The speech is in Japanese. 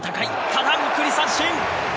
ただ見送り三振！